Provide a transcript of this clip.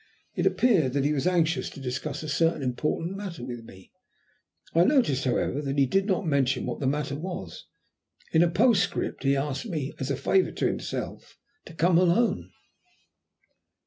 It appeared that he was anxious to discuss a certain important matter with me. I noticed, however, that he did not mention what that matter was. In a postscript he asked me, as a favour to himself, to come alone.